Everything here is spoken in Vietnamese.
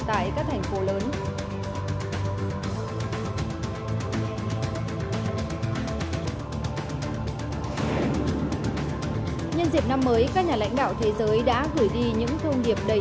tại các thành phố lớn nhân dịp năm mới các nhà lãnh đạo thế giới đã gửi đi những thông điệp đầy